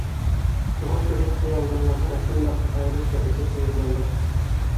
Шуға күрә хыяллыларға ысынбарлыҡ айырыуса әсе тойолалыр.